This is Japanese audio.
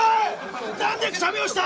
何でくしゃみをした！？